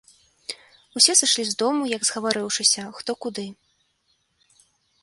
Усе сышлі з дому, як згаварыўшыся, хто куды.